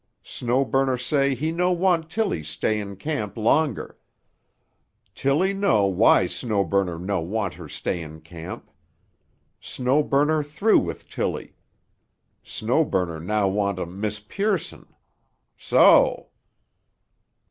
Snow Burner say he no want Tilly stay in camp longer. Tilly know why Snow Burner no want her stay in camp. Snow Burner through with Tilly. Snow Burner now want um Miss Pearson. So."